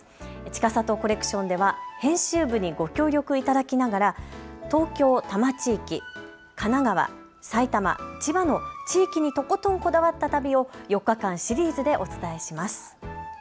ちかさとコレクションでは編集部にご協力いただきながら東京多摩地域、神奈川、埼玉、千葉の地域にとことんこだわった旅を４日間、シリーズでお伝えします。